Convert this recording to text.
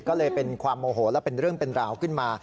ก็เลยเป็นความโมโหแล้วเป็นเรื่องเป็นราวขึ้นมา